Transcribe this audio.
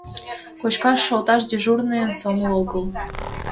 Кочкаш шолташ дежурныйын сомыл огыл.